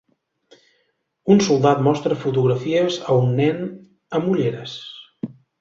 Un soldat mostra fotografies a un nen amb ulleres.